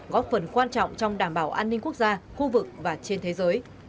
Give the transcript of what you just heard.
góp phần quan trọng trong đảm bảo an ninh quốc gia khu vực và trên thế giới